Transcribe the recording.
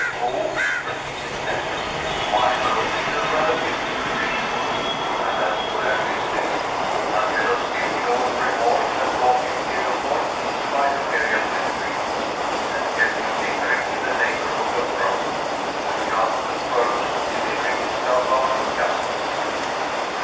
"Who!" repeated Kenyon, "why, her official relative, to be sure; and as to their business, Donatello's still gnawing remorse had brought him hitherward, in spite of Miriam's entreaties, and kept him lingering in the neighborhood of Rome, with the ultimate purpose of delivering himself up to justice.